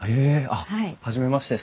あっ初めまして。